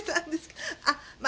あっま